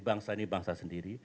bangsa ini bangsa sendiri